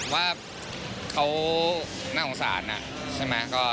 ว่าเขาน่าสงสารใช่ไหม